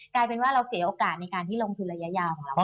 กลายเป็นว่าเราเสียโอกาสในการที่ลงทุนระยะยาวของเรา